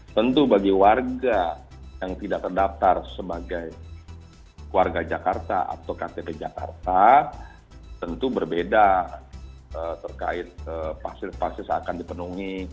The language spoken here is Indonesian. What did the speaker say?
tentu bagi warga yang tidak terdaftar sebagai warga jakarta atau ktp jakarta tentu berbeda terkait pasir pasir akan dipenuhi